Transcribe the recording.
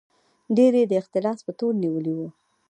ډېر یې د اختلاس په تور نیولي وو.